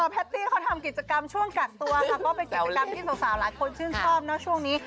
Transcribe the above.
แพตตี้เขาทำกิจกรรมช่วงกักตัวค่ะก็เป็นกิจกรรมที่สาวหลายคนชื่นชอบเนอะช่วงนี้